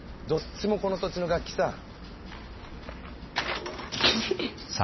どっちもこの土地の楽器さ。